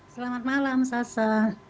selamat malam sasa